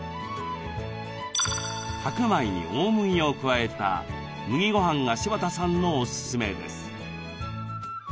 白米に大麦を加えた麦ごはんが柴田さんのおすすめです。